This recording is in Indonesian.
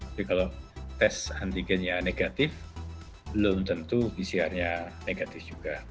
tapi kalau tes antigennya negatif belum tentu pcrnya negatif juga